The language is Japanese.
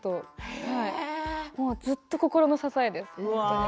ずっと心の支えです。